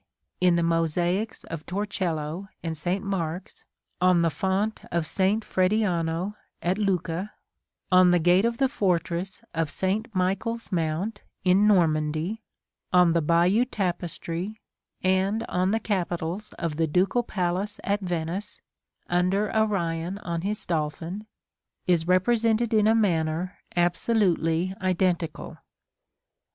in the mosaics of Torcello and St. Mark's, on the font of St. Frediano at Lucca, on the gate of the fortress of St. Michael's Mount in Normandy, on the Bayeux tapestry, and on the capitals of the Ducal Palace at Venice (under Arion on his Dolphin), is represented in a manner absolutely identical.